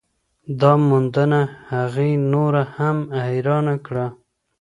دا موندنه هغې نوره هم حیرانه کړه.